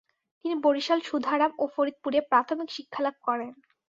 তিনি বরিশাল, সুধারাম ও ফরিদপুরে প্রাথমিক শিক্ষালাভ করেন।